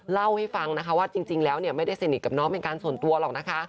เล่าให้ฟังนะคะว่าจริงแล้วเนี่ยไม่ได้สนิทกับน้องเป็นการส่วนตัวหรอกนะคะ